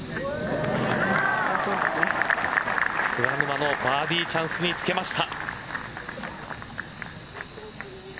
菅沼もバーディーチャンスにつけました。